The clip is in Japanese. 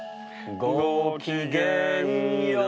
「ごきげんよう！」